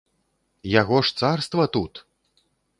Яго ж царства тут!